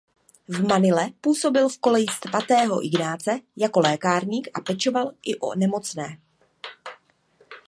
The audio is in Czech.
V Manile působil v koleji svatého Ignáce jako lékárník a pečoval i o nemocné.